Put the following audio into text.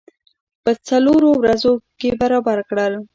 په څلورو ورځو کې برابر کړل.